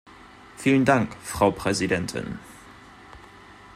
Vielen Dank, Frau Präsidentin!